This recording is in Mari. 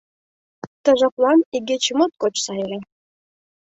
Ты жаплан игече моткоч сай ыле.